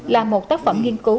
là một tác phẩm nghiên cứu